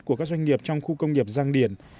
của các doanh nghiệp trong khu công nghiệp giang điển